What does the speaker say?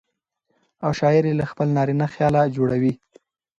او شاعر يې له خپل نارينه خياله جوړوي.